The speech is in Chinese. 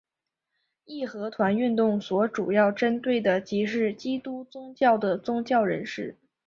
义和团运动所主要针对的即是基督宗教的宗教人士。